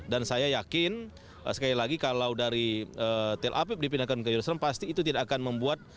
dan saya yakin sekali lagi kalau dari tel aviv dipindahkan ke yerusalem pasti itu tidak akan membuat